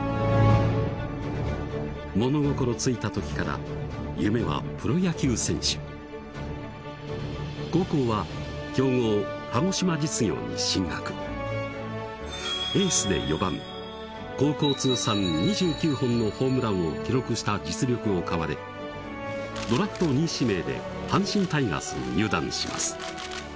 物心ついた時から夢はプロ野球選手高校は強豪・鹿児島実業に進学エースで４番高校通算２９本のホームランを記録した実力を買われドラフト２位指名で阪神タイガースに入団します